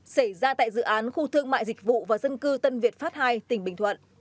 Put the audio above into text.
xảy ra tại dự án khu thương mại dịch vụ và dân cư tân việt pháp ii tỉnh bình thuận